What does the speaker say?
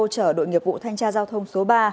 chở đội nghiệp vụ thanh tra giao thông số ba